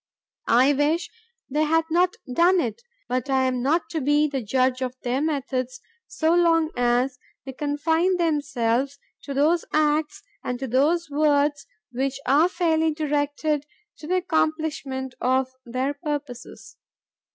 I wish they had not done it, but I am not to be the judge of their methods so long as they confine themselves to those acts and to those words which are fairly directed to the accomplishment of their purposes.